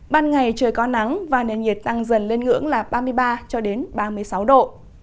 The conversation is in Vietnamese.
ban ngày trời có nắng và nền nhiệt tăng dần lên ngưỡng là ba mươi ba ba mươi sáu độ